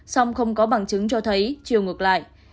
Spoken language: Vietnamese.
song không có bằng chứng cho thấy chiều ngược lại